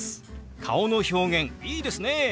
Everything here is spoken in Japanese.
顔の表現いいですね。